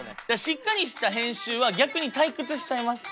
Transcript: しっかりした編集は逆に退屈しちゃいます。